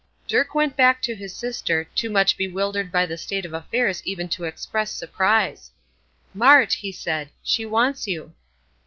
Dirk went back to his sister, too much bewildered by the state of affairs even to express surprise. "Mart," he said, "she wants you."